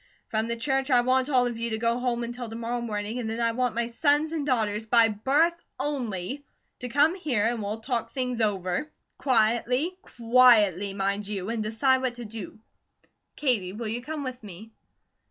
From the church I want all of you to go home until to morrow morning, and then I want my sons and daughters by BIRTH only, to come here, and we'll talk things over, quietly, QUIETLY, mind you; and decide what to do. Katie, will you come with me?"